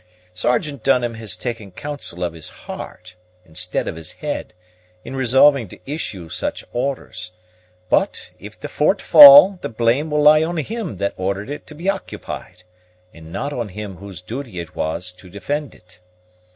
Sergeant Dunham has taken counsel of his heart, instead of his head, in resolving to issue such orders; but, if the fort fall, the blame will lie on him that ordered it to be occupied, and not on him whose duty it was to defend it.